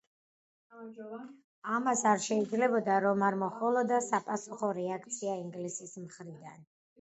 ამას არ შეიძლებოდა, რომ არ მოჰყოლოდა საპასუხო რეაქცია ინგლისის მხრიდან.